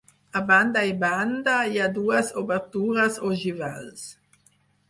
A banda i banda hi ha dues obertures ogivals.